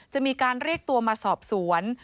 จะมีการเรียกตัวมาสอบสวน